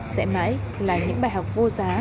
sẽ mãi là những bài học vô giá